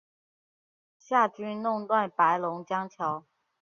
夏军弄断白龙江桥。